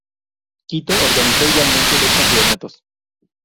Quito organizó, igualmente, dos campeonatos.